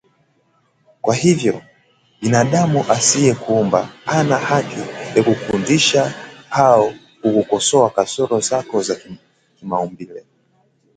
Kwa hivyo, binadamu asiyekuumba hana haki ya kukudunisha au kukosoa kasoro zako za kimaumbile